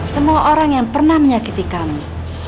semua orang yang pernah menyakiti kami